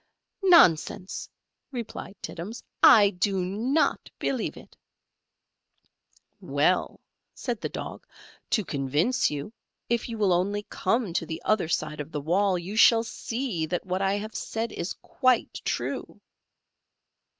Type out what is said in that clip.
"Nonsense!" replied Tittums: "I do not believe it." "Well," said the Dog, "to convince you, if you will only come to the other side of the wall you shall see that what I have said is quite true."